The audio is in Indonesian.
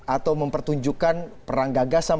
atau mempertunjukkan perang gagasan